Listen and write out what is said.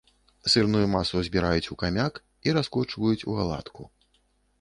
Сырную масу збіраюць у камяк і раскочваюць у аладку.